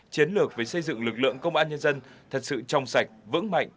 chiến lược về xây dựng lực lượng công an nhân dân thật sự trong sạch vững mạnh